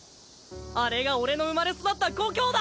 あれが俺の生まれ育った故郷だ！